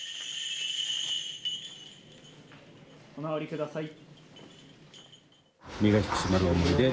お直りください。